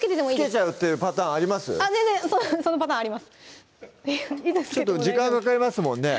ちょっと時間かかりますもんね